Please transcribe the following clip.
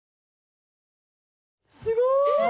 すごい！